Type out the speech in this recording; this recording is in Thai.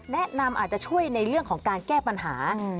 อาจจะช่วยในเรื่องของการแก้ปัญหา